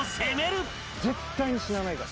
絶対に死なないから。